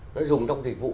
nó dùng trong thực vụ